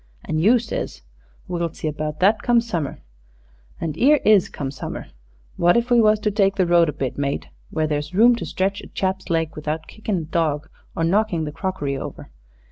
an' you says, 'We'll see about that, come summer.' And 'ere is come summer. What if we was to take the road a bit, mate where there's room to stretch a chap's legs without kickin' a dog or knockin' the crockery over?